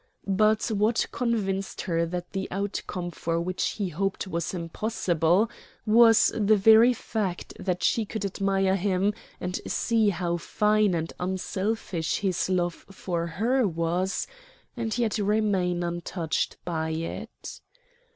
But what convinced her that the outcome for which he hoped was impossible, was the very fact that she could admire him, and see how fine and unselfish his love for her was, and yet remain untouched by it.